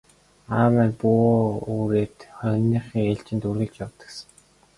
Аав маань буу үүрээд хониныхоо ээлжид үргэлж явдаг сан.